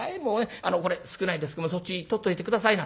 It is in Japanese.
あのこれ少ないですけどそっち取っといて下さいな」。